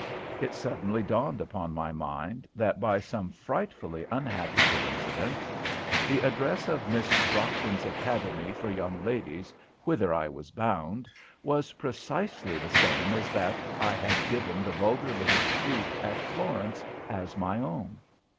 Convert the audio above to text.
It suddenly dawned upon my mind that, by some frightfully unhappy coincidence, the address of Miss Brockton's Academy for Young Ladies, whither I was bound, was precisely the same as that I had given the vulgar little spook at Florence as my own.